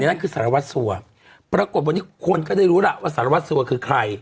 นั่นคือสารวัตรสัวปรากฏวันนี้คนก็ได้รู้ล่ะว่าสารวัสสัวคือใคร